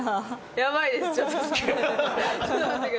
やばいです。